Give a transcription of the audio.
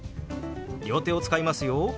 両手を使いますよ。